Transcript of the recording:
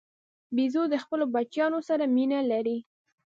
بیزو د خپلو بچیانو سره مینه لري.